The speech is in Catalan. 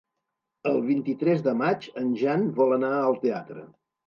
El vint-i-tres de maig en Jan vol anar al teatre.